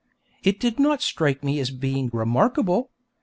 It did not strike me as being remarkable.